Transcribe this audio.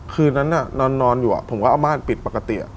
คืนนั้นนอนอยู่ผมก็เอาม่านปิดปกติ